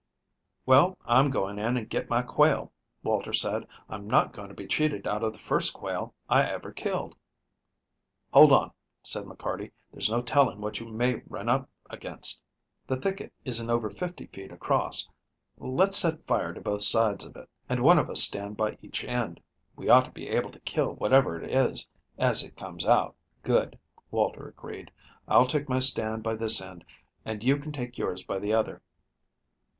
"Well, I'm going in and get my quail," Walter said. "I'm not going to be cheated out of the first quail I ever killed." "Hold on," said McCarty, "there's no telling what you may run up against. The thicket isn't over fifty feet across. Let's set fire to both sides of it, and one of us stand by each end. We ought to be able to kill whatever it is as it comes out." "Good," Walter agreed. "I'll take my stand by this end, and you can take yours by the other."